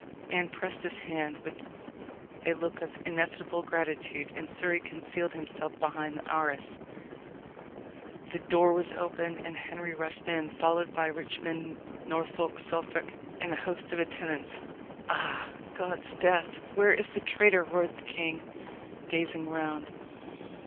Anne pressed his hand, with a look of ineffable gratitude, and Surrey concealed himself behind the arras. The door was opened, and Henry rushed in, followed by Richmond, Norfolk, Suffolk, and a host of attendants. "Ah! God's death! where is the traitor?" roared the king, gazing round.